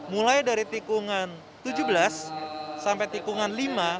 mulai dari tikungan tujuh belas sampai tikungan lima